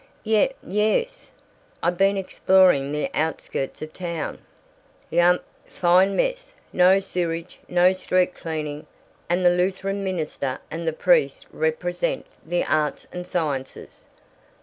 "Ye yes I've been exploring the outskirts of town." "Yump. Fine mess. No sewage, no street cleaning, and the Lutheran minister and the priest represent the arts and sciences.